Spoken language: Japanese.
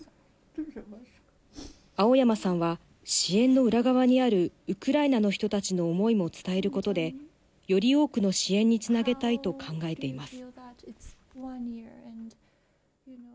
青山さんは支援の裏側にあるウクライナの人たちの思いも伝えることでより多くの支援につなげたいと考えています。